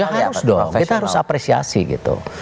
ya harus dong kita harus apresiasi gitu